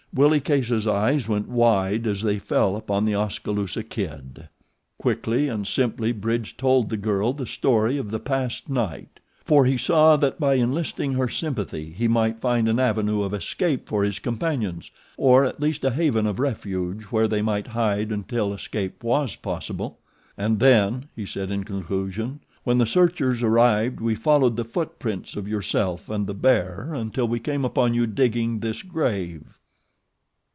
Willie Case's eyes went wide as they fell upon the Oskaloosa Kid. Quickly and simply Bridge told the girl the story of the past night, for he saw that by enlisting her sympathy he might find an avenue of escape for his companions, or at least a haven of refuge where they might hide until escape was possible. "And then," he said in conclusion, "when the searchers arrived we followed the foot prints of yourself and the bear until we came upon you digging this grave."